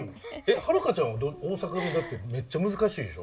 遥ちゃんは大阪弁だってめっちゃ難しいでしょ？